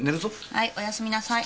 はいおやすみなさい。